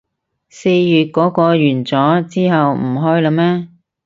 四月嗰個完咗，之後唔開喇咩